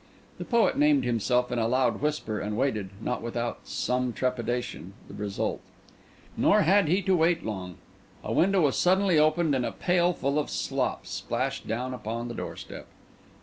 The poet named himself in a loud whisper, and waited, not without some trepidation, the result. Nor had he to wait long. A window was suddenly opened, and a pailful of slops splashed down upon the doorstep.